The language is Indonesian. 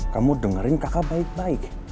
kamu dengerin kakak baik baik